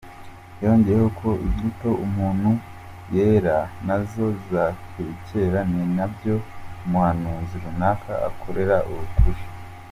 Yongeyeho ko imbuto umuntu yera nazo zakwekera niba ibyo umuhanuzi runaka akora ari ukuri.